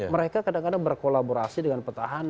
mereka kadang kadang berkolaborasi dengan petahana